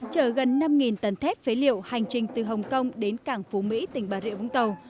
chở gần năm tấn thép phế liệu hành trình từ hồng kông đến cảng phú mỹ tỉnh bà rịa vũng tàu